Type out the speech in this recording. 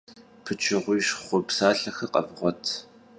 Pıçığuiş xhu psalhexer khevğuet!